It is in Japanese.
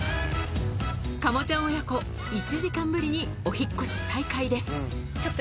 カモちゃん親子、１時間ぶりにお引っ越し再開です。